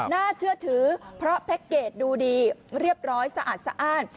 น่าเชื่อถือเพราะแพ็คเกจดูดีเรียบร้อยสะอาดสะอ้าน